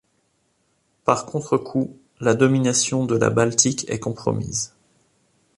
Par contre-coup, la domination de la Baltique est compromise.